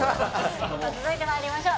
続いてまいりましょう。